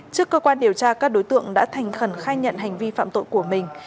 trước cơ quan điều tra các đối tượng đã thành khẩn khai nhận hành vi phạm tội của mình